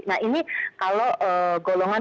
nah ini kalau golongan